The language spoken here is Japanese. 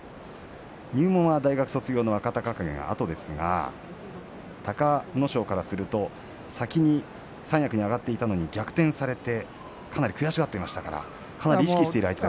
入門は大学卒業の若隆景があとですが隆の勝からすると先に三役に上がっていたのに逆転されてかなり悔しがっていましたからかなり意識している相手。